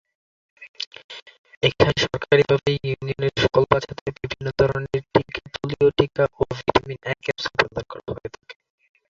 এখানে সরকারীভাবে ইউনিয়নের সকল বাচ্চাদের বিভিন্ন ধরনের টিকা, পোলিও টিকা ও ভিটামিন "এ" ক্যাপসুল প্রদান করা হয়ে থাকে।